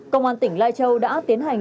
công an tỉnh lai châu đã tiến hành